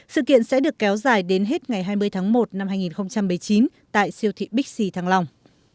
sự kiện sẽ được kéo dài đến hết ngày hai mươi tháng một năm hai nghìn một mươi chín tại siêu thị bixi thăng long